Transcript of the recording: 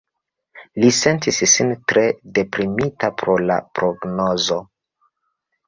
Li sentis sin tre deprimita pro la prognozo.